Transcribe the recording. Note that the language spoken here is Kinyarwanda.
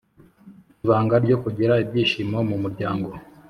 Ibanga ryo kugira ibyishimo mu muryango